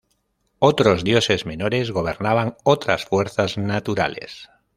Otros dioses menores gobernaban otras fuerzas naturales.